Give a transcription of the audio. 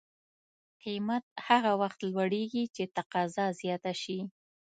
قیمت هغه وخت لوړېږي چې تقاضا زیاته شي.